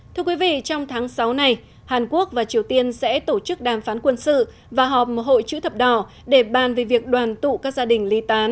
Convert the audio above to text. thưa quý vị trong tháng sáu này hàn quốc và triều tiên sẽ tổ chức đàm phán quân sự và họp hội chữ thập đỏ để bàn về việc đoàn tụ các gia đình ly tán